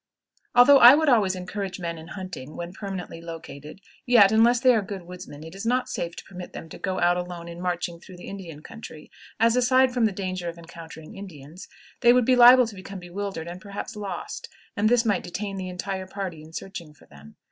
Although I would always encourage men in hunting when permanently located, yet, unless they are good woodsmen, it is not safe to permit them to go out alone in marching through the Indian country, as, aside from the danger of encountering Indians, they would be liable to become bewildered and perhaps lost, and this might detain the entire party in searching for them.